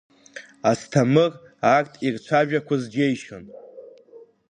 Асҭамыр арҭ ирцәажәақәоз џьеишьон.